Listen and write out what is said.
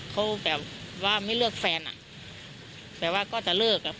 เขาแบบว่าไม่เลือกแฟนอ่ะแบบว่าก็จะเลิกอ่ะ